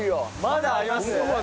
まだあります？